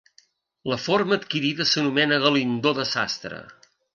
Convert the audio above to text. La forma adquirida s'anomena galindó de sastre.